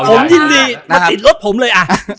ผมยินดีมาติดรถผมเลย